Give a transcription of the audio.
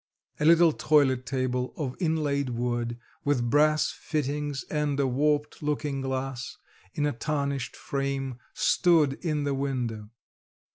A little toilet table of inlaid wood, with brass fittings and a warped looking glass in a tarnished frame stood in the window.